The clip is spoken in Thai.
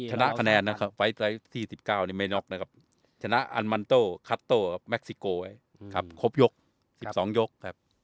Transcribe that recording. ชนะคะแนนนะครับไฟท์ไซด์ที่สิบเก้านี่เมน็อกนะครับชนะอัลมันโตคัตโตเม็กซิโกครับครบยกสิบสองยกครับ